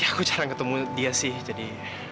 aku jarang ketemu dia sih jadi